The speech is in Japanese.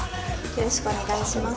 よろしくお願いします。